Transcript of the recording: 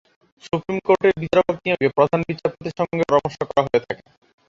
Supreme কোর্টের বিচারক নিয়োগে প্রধান বিচারপতির সঙ্গে পরামর্শ করা হয়ে থাকে।